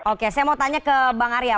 oke saya mau tanya ke bang arya